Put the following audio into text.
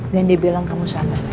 dan dia bilang kamu sama dia